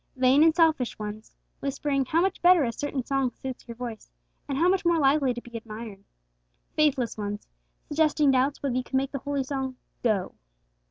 Vain and selfish ones whispering how much better a certain song suits your voice, and how much more likely to be admired. Faithless ones suggesting doubts whether you can make the holy song 'go.'